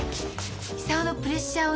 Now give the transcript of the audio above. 久男のプレッシャーをね